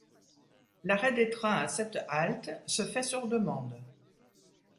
L’arrêt des trains à cette halte se fait sur demande.